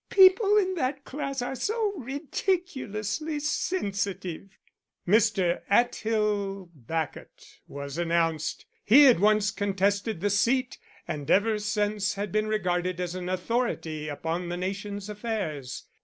People in that class are so ridiculously sensitive." Mr. Atthill Bacot was announced; he had once contested the seat, and ever after been regarded as an authority upon the nation's affairs.